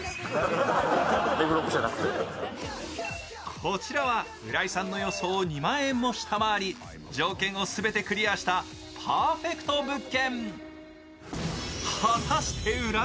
こちらは浦井さんの予想を２万円も下回り条件を全てクリアしたパーフェクト物件。